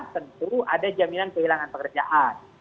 tentu ada jaminan kehilangan pekerjaan